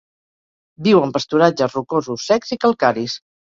Viu en pasturatges rocosos secs i calcaris.